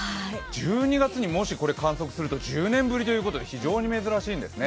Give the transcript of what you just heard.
１２月に、もし観測すると１０年ぶりということで非常に珍しいんですね。